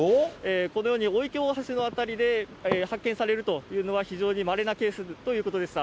このように御池大橋の辺りで発見されるというのは、非常にまれなケースということでした。